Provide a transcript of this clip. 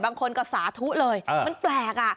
บางคนก็สาธุเลยมันแปลกอ่ะ